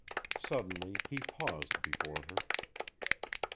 Suddenly he paused before her.